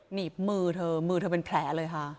หนีบมือเธอมือเธอเป็นแผลเลยค่ะ